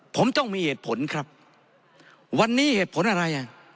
ผมต้องมีเหตุผลครับวันนี้เหตุผลอะไรอ่ะ